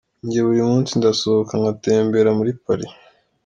Njye buri munsi ndasohoka ngatembera muri Paris”.